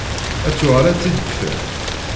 Ad tuɣal ad tt-id-taf.